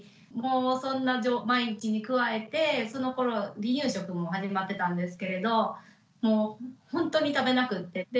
もうそんな毎日に加えてそのころ離乳食も始まってたんですけれどもうほんとに食べなくて。